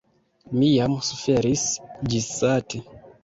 Mi jam suferis ĝissate.